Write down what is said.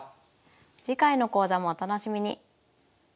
次回の講座もお楽しみに。